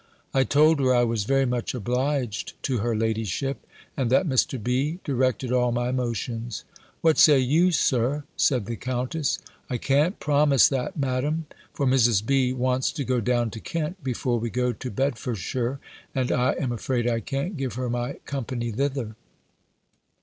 I told her, I was very much obliged to her ladyship; and that Mr. B. directed all my motions. "What say you, Sir?" said the Countess. "I can't promise that. Madam: for Mrs. B. wants to go down to Kent, before we go to Bedfordshire, and I am afraid I can't give her my company thither."